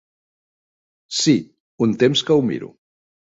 Sí, un temps que ho miro.